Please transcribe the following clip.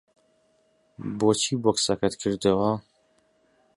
بۆچی بۆکسەکەت کردەوە؟